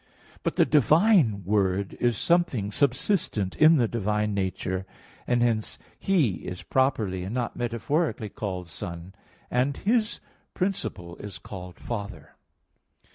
But the divine Word is something subsistent in the divine nature; and hence He is properly and not metaphorically called Son, and His principle is called Father.